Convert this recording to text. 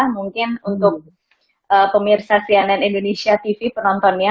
mungkin untuk pemirsa cnn indonesia tv penontonnya